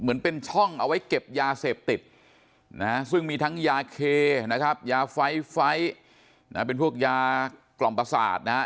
เอาไว้เก็บยาเสพติดนะซึ่งมีทั้งยาเคนะครับยาไฟล์ไฟล์นะเป็นพวกยากล่อมประสาทนะ